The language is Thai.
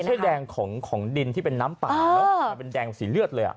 มันไม่ใช่แดงของดินที่เป็นน้ำป่ามันเป็นแดงสีเลือดเลย